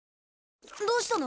どうしたの？